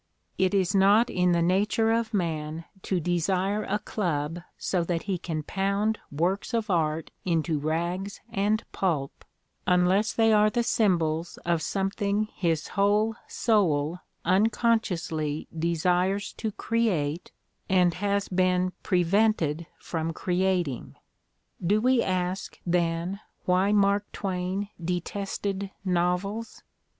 It is not in the nature of man to desire a club so that he can pound works of art into rags and pulp unless they are the symbols of something his whole soul unconsciously desires to create and has been prevented from creating. Do we ask, then, why ' Mark Twain "detested" novels?